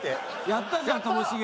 やったじゃんともしげ。